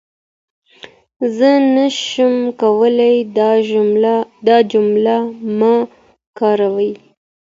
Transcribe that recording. زه نشم کولای دا جمله مه کاروئ.